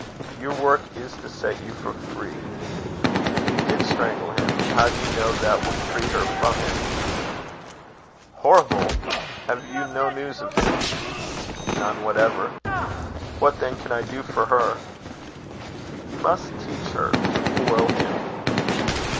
Your work is to set Euphra free. If you did strangle him, how do you know if that would free her from him?" "Horrible! Have you no news of him?" "None whatever." "What, then, can I do for her?" "You must teach her to foil him."